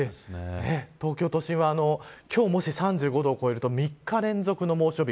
東京都心は今日、もし３５度を超えると３日連続の猛暑日。